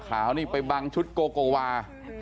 ขาวนี่ไปบังชุดโกโกวา